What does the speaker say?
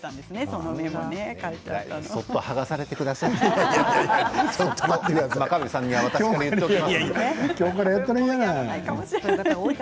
そっと剥がされてください。